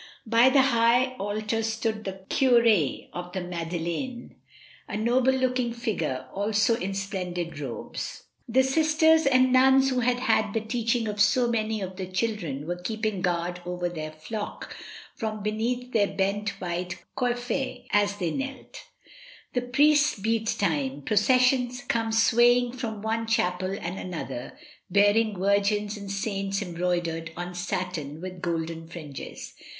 By the high altar stood the cur6 of the Madeleine, 6o MRS. DYMOND. a noble looking figure, also in splendid robes. The sisters and nuns who had had the teaching of so many of the children were keeping guard over their flock from beneath their bent white coiffes as they knelt. The priests beat time, processions come swaying from one chapel and another bearing vir gins and saints embroidered on satin with golden fringes.